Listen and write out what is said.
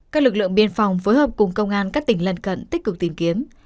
các lực lượng biên phòng phối hợp cùng công an các tỉnh lân cận tích cực tìm kiếm